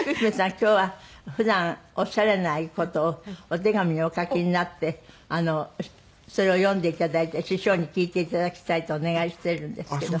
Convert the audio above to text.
今日は普段おっしゃれない事をお手紙にお書きになってそれを読んで頂いて師匠に聞いて頂きたいとお願いしてるんですけど。